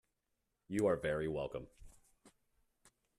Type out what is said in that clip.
You are very welcome.